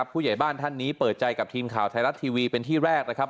ผู้ใหญ่บ้านท่านนี้เปิดใจกับทีมข่าวไทยรัฐทีวีเป็นที่แรกนะครับ